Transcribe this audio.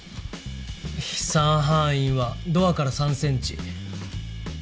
飛散範囲はドアから３センチ。